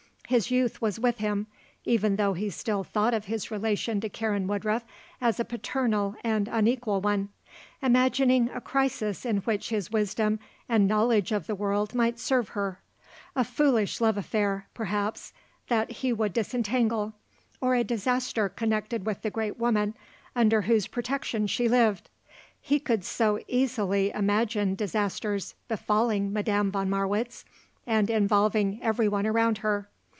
His youth was with him, even though he still thought of his relation to Karen Woodruff as a paternal and unequal one; imagining a crisis in which his wisdom and knowledge of the world might serve her; a foolish love affair, perhaps, that he would disentangle; or a disaster connected with the great woman under whose protection she lived; he could so easily imagine disasters befalling Madame von Marwitz and involving everyone around her.